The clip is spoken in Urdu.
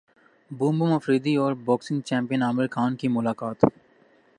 بوم بوم افریدی اور باکسنگ چیمپئن عامر خان کی ملاقات